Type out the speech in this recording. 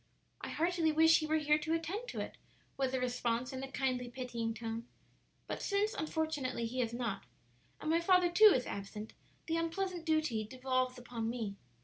"I heartily wish he were here to attend to it," was the response, in a kindly pitying tone. "But since, unfortunately, he is not, and my father, too, is absent, the unpleasant duty devolves upon me.